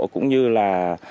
cũng như là